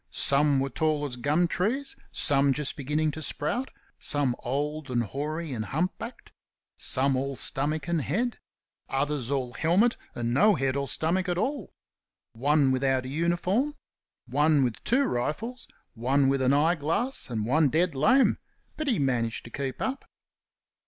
Some were tall as gum trees; some just beginning to sprout; some old and hoary and hump backed; some all stomach and head; others all helmet and no head or stomach at all; one without a uniform; one with two rifles; one with an eye glass; and one dead lame but he managed to keep up.